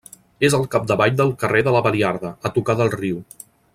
És al capdavall del carrer de la Baliarda, a tocar del riu.